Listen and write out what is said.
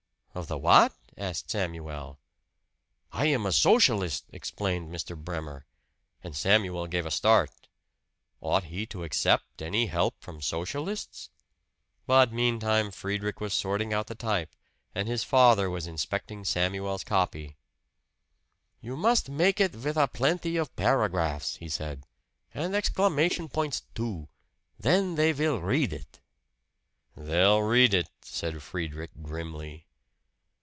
"Of the what?" asked Samuel. "I am a Socialist," explained Mr. Bremer. And Samuel gave a start. Ought he to accept any help from Socialists? But meantime Friedrich was sorting out the type, and his father was inspecting Samuel's copy. "You must make it vith a plenty of paragraphs," he said; "and exclamation points, too. Then they vill read it." "They'll read it!" said Friedrich grimly.